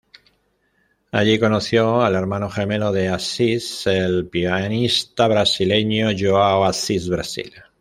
Allí conoció al hermano gemelo de Assis, el pianista brasileño Joao Assis Brasil.